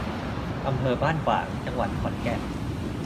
อำเภอบ้านฝาง จังหวัดขอนแก่น